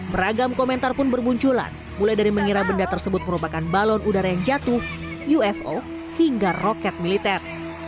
beragam komentar pun bermunculan mulai dari mengira benda tersebut merupakan balon udara yang jatuh ufo hingga roket militer